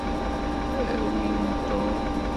Awim Tom.